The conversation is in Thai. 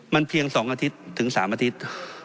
มันเพียง๒อาทิตย์ถึง๓อาทิตย์